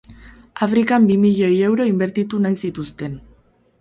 Afrikan bi milioi euro inbertitu nahi zituzten.